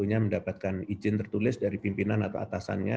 hanya mendapatkan izin tertulis dari pimpinan atau atasannya